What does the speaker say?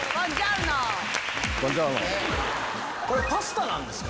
これパスタなんですか？